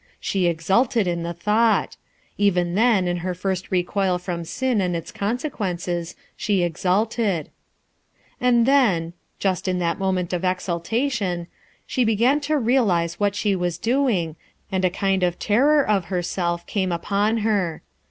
She exulted in the thought; even then, in her first recoil from sin and its consequences, she exulted. And then — just in that moment of exultation — she began to realize what she was doing, and a kind of terror of herself came upon her.